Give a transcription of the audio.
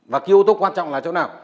và cái yếu tố quan trọng là chỗ nào